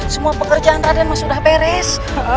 semua pekerjaan raden sudah beres